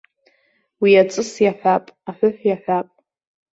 Уи аҵыс иаҳәап, аҳәыҳә иаҳәап.